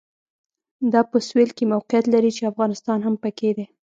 دا په سوېل کې موقعیت لري چې افغانستان هم پکې دی.